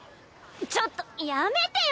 ちょっとやめてよ！